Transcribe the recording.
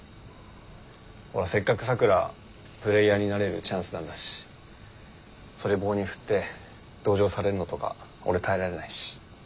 ほらせっかく咲良プレーヤーになれるチャンスなんだしそれ棒に振って同情されるのとか俺耐えられないし。